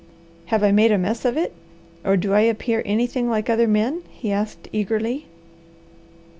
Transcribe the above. "Have I made a mess of it, or do I appear anything like other men?" he asked, eagerly.